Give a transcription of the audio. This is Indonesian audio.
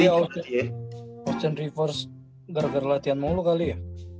iya austin rivers gara gara latihan mulu kali ya